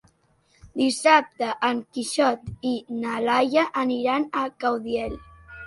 Dissabte en Quixot i na Laia aniran a Caudiel.